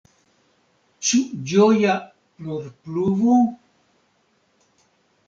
Ĉu ĝoja plorpluvo?